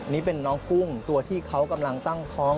นี่เป็นน้องกุ้งตัวที่เขากำลังตั้งท้อง